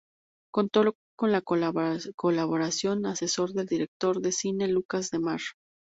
Contó con la colaboración como asesor del director de cine Lucas Demare.